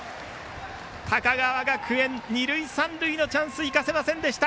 高川学園、二塁三塁のチャンス生かせませんでした。